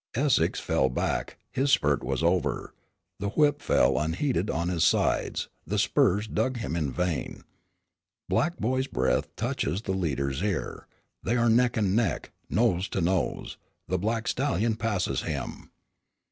Essex fell back; his spurt was over. The whip fell unheeded on his sides. The spurs dug him in vain. Black Boy's breath touches the leader's ear. They are neck and neck nose to nose. The black stallion passes him.